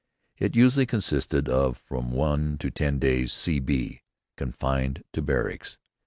It usually consisted of from one to ten days, "C.B." confined to barracks.